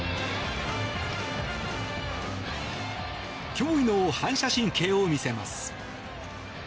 驚異の反射神経を見せます。